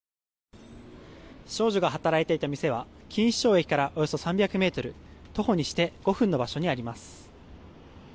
少女が働いていた店は錦糸町駅からおよそ３００ｍ徒歩にして５分の場所にあります。